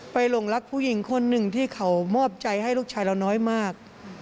หลงรักผู้หญิงคนหนึ่งที่เขามอบใจให้ลูกชายเราน้อยมาก